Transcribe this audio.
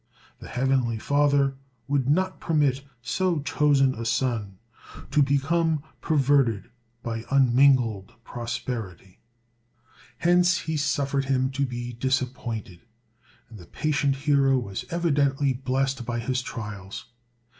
The Heavenly Father would not permit so chosen a son to become perverted by unmingled prosperity. Hence he suffered him to be disappointed, and the patient hero was evidently blessed by his trials.